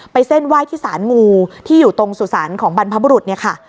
เส้นไหว้ที่สารงูที่อยู่ตรงสุสานของบรรพบุรุษเนี่ยค่ะ